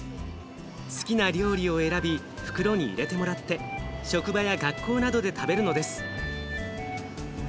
好きな料理を選び袋に入れてもらって職場や学校などで食べるのです。